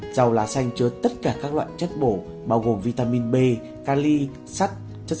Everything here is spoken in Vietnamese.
dầu lá xanh chứa tất cả các loại chất bổ bao gồm vitamin b cali sắt